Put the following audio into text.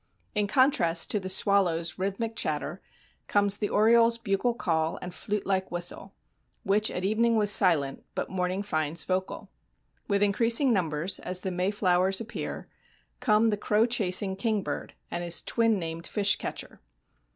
In contrast to the swallow's rhythmic chatter comes the oriole's bugle call and flute like whistle, which at evening was silent, but morning finds vocal. With increasing numbers, as the Mayflowers appear, come the crow chasing kingbird and his twin named fish catcher.